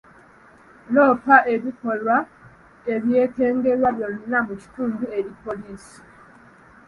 Loopa ebikolwa ebyekengerwa byonna mu kitundu eri poliisi.